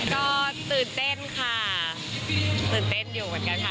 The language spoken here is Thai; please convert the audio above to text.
ก็ตื่นเต้นค่ะตื่นเต้นอยู่เหมือนกันค่ะ